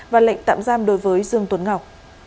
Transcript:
và lệnh tạm giam đối với dương tuấn ngọc